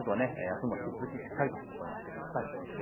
あすも引き続きしっかりと行ってください。